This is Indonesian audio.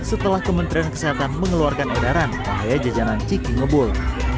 setelah kementerian kesehatan mengeluarkan edaran bahaya jajanan ciki ngebul